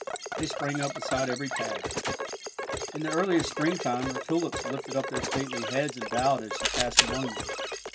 They sprang up beside every path. In the earliest spring time her tulips lifted up their stately heads and bowed as she passed among them.